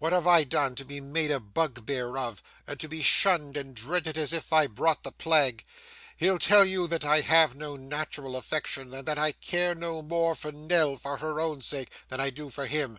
What have I done to be made a bugbear of, and to be shunned and dreaded as if I brought the plague? He'll tell you that I have no natural affection; and that I care no more for Nell, for her own sake, than I do for him.